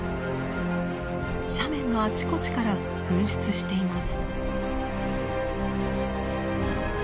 斜面のあちこちから噴出しています。